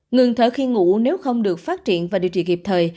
ngừng thở khi ngủ nếu không được phát triển và điều trị kịp thời